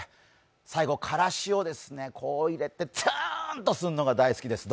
最後、からしをこう入れて、ツーンとするのが大好きです。